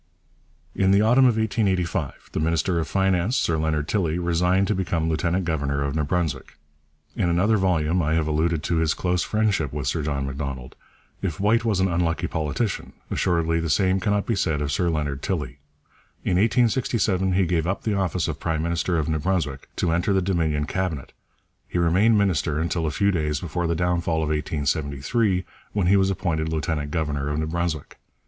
In the autumn of 1885 the minister of Finance, Sir Leonard Tilley, resigned to become lieutenant governor of New Brunswick. In another volume I have alluded to his close friendship with Sir John Macdonald. If White was an unlucky politician, assuredly the same cannot be said of Sir Leonard Tilley. In 1867 he gave up the office of prime minister of New Brunswick to enter the Dominion Cabinet; he remained minister until a few days before the downfall of 1873, when he was appointed lieutenant governor of New Brunswick.